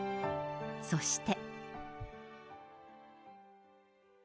そして。